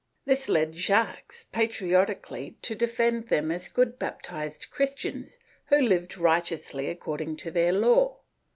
This led Jacques patriotically to defend them as good baptized Christians, who lived righteously according to their law.